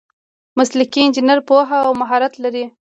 مسلکي انجینر پوهه او مهارت لري.